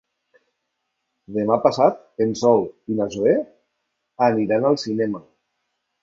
Demà passat en Sol i na Zoè aniran al cinema.